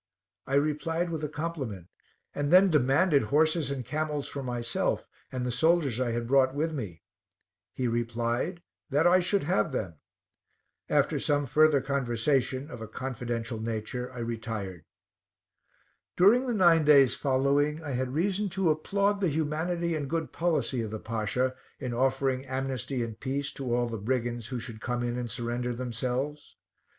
I replied with a compliment, and then demanded horses and camels for myself, and the soldiers I had brought with me; he replied "that I should have them." After some further conversation, of a confidential nature, I retired. During the nine days following, I had reason to applaud the humanity and good policy of the Pasha, in offering amnesty and peace to all the brigands who should come in and surrender themselves.